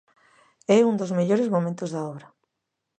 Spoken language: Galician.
É un dos mellores momentos da obra.